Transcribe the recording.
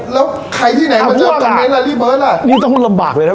แล้วใครที่ไหนมาเจอนี่ต้องมันระบากเลยนะ